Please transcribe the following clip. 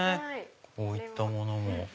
こういったものも。